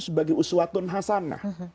sebagai uswatun hasanah